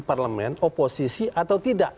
parlement oposisi atau tidak